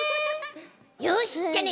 よしじゃあね